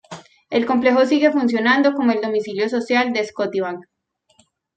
El complejo sigue funcionando como el domicilio social de Scotiabank.